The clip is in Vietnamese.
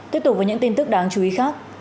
tiếp tục với những tin tức đáng chú ý khác